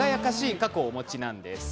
過去をお持ちなんです。